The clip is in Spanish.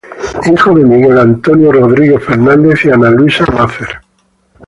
Hijo de Miguel Antonio Rodríguez Fernández y Ana Luisa Mazer.